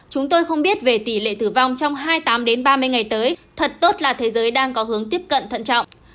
chúng tôi không biết về tỷ lệ tử vong trong hai mươi tám ba mươi ngày tới thật tốt là thế giới đang có hướng tiếp cận thận trọng